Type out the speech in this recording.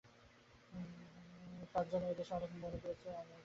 তার জন্য এদেশের অনেকে মনে করছে, আমি একটা জুয়াচোর।